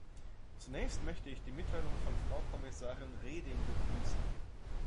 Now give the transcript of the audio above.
Zunächst möchte ich die Mitteilung von Frau Kommissarin Reding begrüßen.